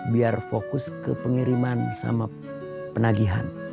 biar fokus ke pengiriman sama penagihan